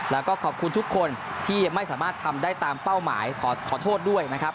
แล้วก็ขอบคุณทุกคนที่ไม่สามารถทำได้ตามเป้าหมายขอโทษด้วยนะครับ